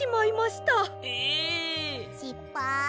しっぱい。